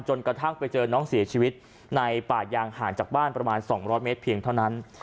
กระทั่งไปเจอน้องเสียชีวิตในป่ายางห่างจากบ้านประมาณ๒๐๐เมตรเพียงเท่านั้น